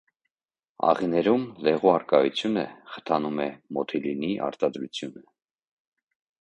Աղիներում լեղու առկայությունը խթանում է մոթիլինի արտադրությունը։